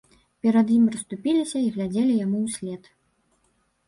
Перад ім расступіліся і глядзелі яму ўслед.